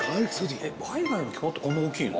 えっバイ貝の肝ってこんな大きいの？